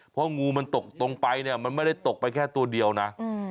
เพราะงูมันตกตรงไปเนี่ยมันไม่ได้ตกไปแค่ตัวเดียวนะ